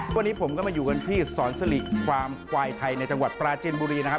วันนี้ผมก็มาอยู่กันที่สอนสิริฟาร์มควายไทยในจังหวัดปราจินบุรีนะครับ